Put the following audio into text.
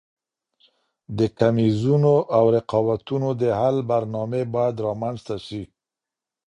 د کميزونو او رقابتونو د حل برنامې باید رامنځته سي.